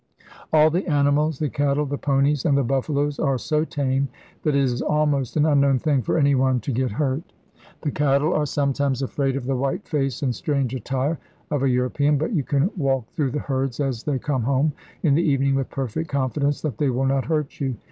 All the animals the cattle, the ponies, and the buffaloes are so tame that it is almost an unknown thing for anyone to get hurt. The cattle are sometimes afraid of the white face and strange attire of a European, but you can walk through the herds as they come home in the evening with perfect confidence that they will not hurt you.